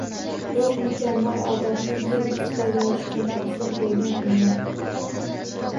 Eng mukammal odobni yer yuzida yoyishga mas’ul bo‘lgan ummat